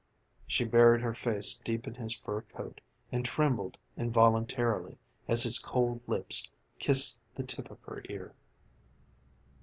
She buried her face deep in his fur coat and trembled involuntarily as his cold lips kissed the tip of her ear.